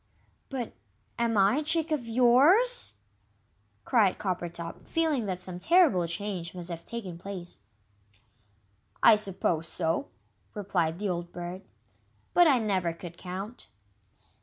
"But am I a chick of yours?" cried Coppertop, feeling that some terrible change must have taken place. "I suppose so," replied the old Bird; "but I never could count."